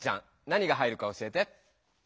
何が入るか教えて。